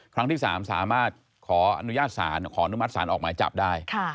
ครั้งที่๓สามารถขออนุญาตศาลขออนุมัติศาลออกหมายจับได้